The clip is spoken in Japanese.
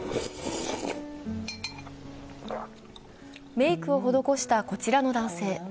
メークを施したこちらの男性。